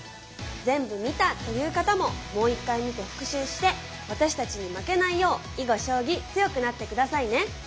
全部見たという方ももう一回見て復習して私たちに負けないよう囲碁将棋強くなって下さいね。